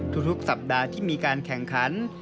ทุกสัปดาห์ที่มีการแข่งขัน